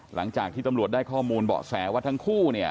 หลังจากที่ตำรวจได้ข้อมูลเบาะแสว่าทั้งคู่เนี่ย